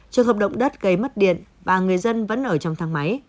trường hợp động đất gây mất điện và người dân vẫn ở trong thang máy